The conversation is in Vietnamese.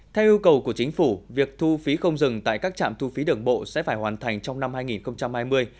theo yêu cầu của chính phủ việc thu phí không dừng tại các trạm thu phí đường bộ sẽ phải hoàn thành trong năm hai nghìn hai mươi